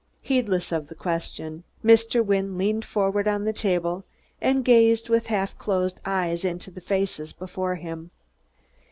Heedless of the question, Mr. Wynne leaned forward on the table, and gazed with half closed eyes into the faces before him.